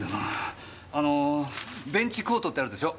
あのベンチコートってあるでしょ？